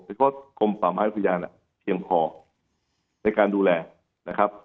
หรือว่ากรมฝ่าม้ายพุทธยานอ่ะเพียงพอในการดูแลนะครับ